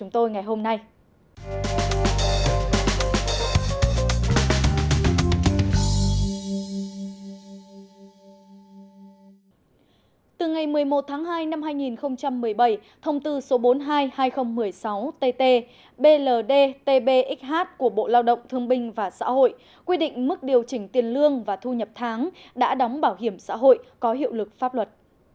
thông tư số bốn mươi hai hai nghìn một mươi sáu tt bld tb xh của bộ lao động thương minh và xã hội quy định mức điều chỉnh tiền lương và thu nhập tháng đã đóng bảo hiểm xã hội có hiệu lực pháp luật